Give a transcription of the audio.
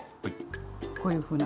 こういうふうな。